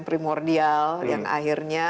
primordial yang akhirnya